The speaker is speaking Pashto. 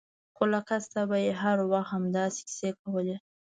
خو له کسته به يې هر وخت همداسې کيسې کولې.